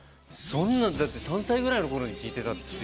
そんなんだって３歳くらいの頃に聴いてた？